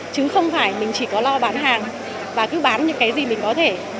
chứ không phải mình chỉ có lo bán hàng và cứ bán những cái gì mình có thể